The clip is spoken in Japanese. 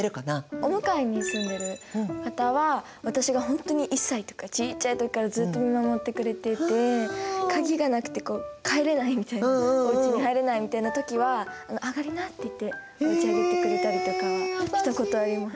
お向かいに住んでる方は私が本当に１歳とかちっちゃい時からずっと見守ってくれていて鍵がなくて帰れないみたいなおうちに入れないみたいな時は「上がりな」って言っておうちに上げてくれたりとかはしたことあります。